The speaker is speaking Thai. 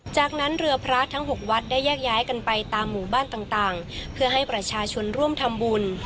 จากนั้นเรือพระทั้ง๖วัดได้แยกย้ายกันไปตามหมู่บ้านต่างเพื่อให้ประชาชนร่วมทำบุญ